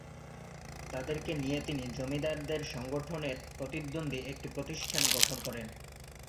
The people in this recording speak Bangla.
তাদেরকে নিয়ে তিনি জমিদারদের সংগঠনের প্রতিদ্বন্দ্বী একটি প্রতিষ্ঠান গঠন করেন।